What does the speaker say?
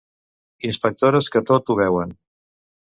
Inspectores que tot ho veuen.